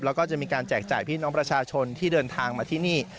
แล้วก็จะมีการแจกจ่ายพี่น้องประชาชนที่เดินทางมาที่นี่